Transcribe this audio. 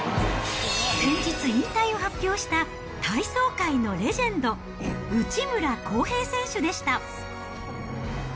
先日、引退を発表した体操界のレジェンド、内村航平選手でした。